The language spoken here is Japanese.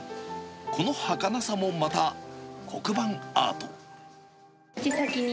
このはかなさもまた、黒板アート。